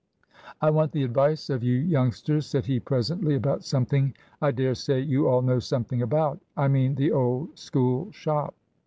"I want the advice of you youngsters," said he presently, "about something I dare say you all know something about. I mean the old School shop."